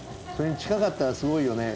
それに近かったらすごい。